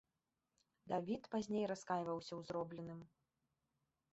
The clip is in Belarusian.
Давід пазней раскайваўся ў зробленым.